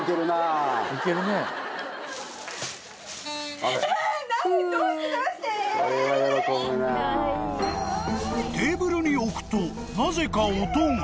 ［なぜか］